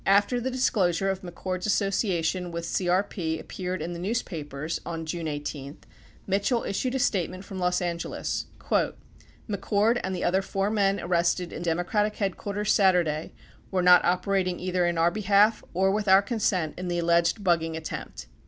73 After the disclosure of McCord's association with CEP appeared in the newspapers on June 18, Mitchell issued a statement from Los Angeles: "McCord and the other four men arrested in Democratic headquarters Saturday were not operating either in our behalf or with our consent in the alleged bugging attempt."